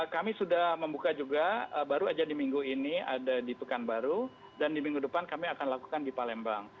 kami sudah membuka juga baru saja di minggu ini ada di pekanbaru dan di minggu depan kami akan lakukan di palembang